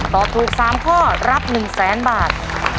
ตอบถูก๓ข้อรับ๑๐๐๐๐๐บาท